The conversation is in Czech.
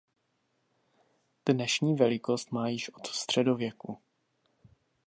Dnešní velikost má již od středověku.